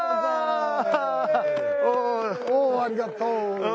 おありがとう。